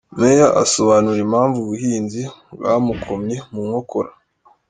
Meya asobanura impamvu ubuhinzi bwamukomye mu nkokora.